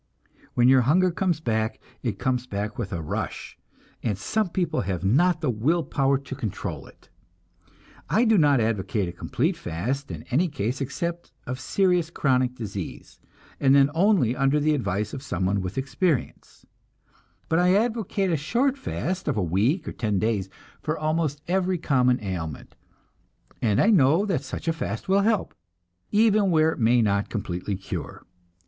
When your hunger comes back, it comes back with a rush, and some people have not the will power to control it. I do not advocate a complete fast in any case except of serious chronic disease, and then only under the advice of someone with experience; but I advocate a short fast of a week or ten days for almost every common ailment, and I know that such a fast will help, even where it may not completely cure.